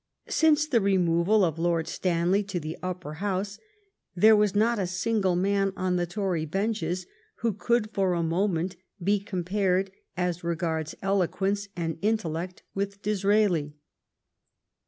Since the removal of Lord Stanley to the Upper House there was not a single man on the Tory benches who could for a moment be compared, as regards eloquence and intellect, with Disraeli.